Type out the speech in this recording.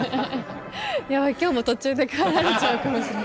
いや今日も途中で帰られちゃうかもしれない。